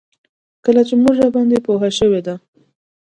لکه چې مور راباندې پوه شوې ده.